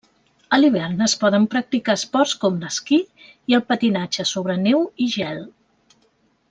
A l'hivern es poden practicar esports com l'esquí i el patinatge sobre neu i gel.